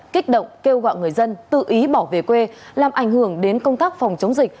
kích động kêu gọi người dân tự ý bỏ về quê làm ảnh hưởng đến công tác phòng chống dịch